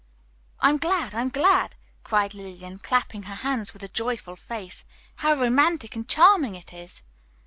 "I'm glad, I'm glad!" cried Lillian, clapping her hands with a joyful face. "How romantic and charming it is!"